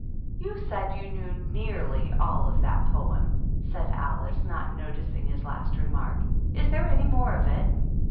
" You said you knew nearly all of that poem," said Alice, not noticing his last remark. "Is there any more of it?"